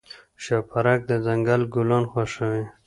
شوپرک د ځنګل ګلان خوښوي.